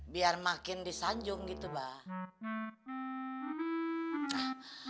biar makin disanjung gitu mbak